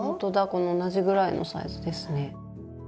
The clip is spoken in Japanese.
この同じぐらいのサイズですね。